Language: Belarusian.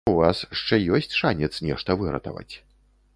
У вас шчэ ёсць шанец нешта выратаваць.